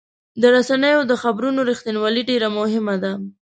د رسنیو د خبرونو رښتینولي ډېر مهمه ده.